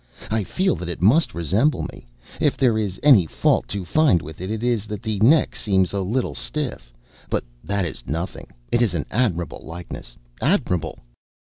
I feel that it must resemble me. If there is any fault to find with it, it is that the neck seems a little stiff. But that is nothing. It is an admirable likeness,—admirable!"